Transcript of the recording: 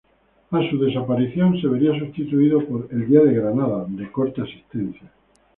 A su desaparición se vería sustituido por "El Día de Granada", de corta existencia.